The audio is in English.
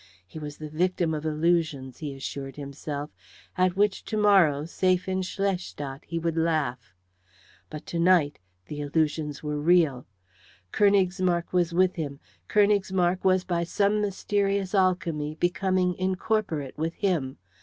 He was the victim of illusions, he assured himself, at which to morrow safe in Schlestadt he would laugh. But to night the illusions were real. Königsmarck was with him. Königsmarck was by some mysterious alchemy becoming incorporate with him.